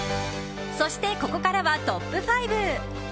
そして、ここからはトップ５。